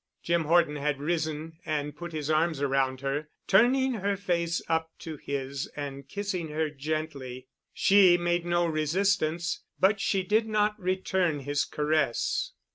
Jim Horton had risen and put his arms around her, turning her face up to his and kissing her gently. She made no resistance, but she did not return his caress.